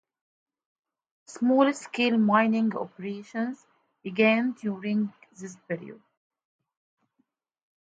Small-scale mining operations began during this period.